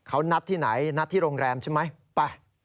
เขานัดที่ไหนนัดที่โรงแรมใช่ไหมไป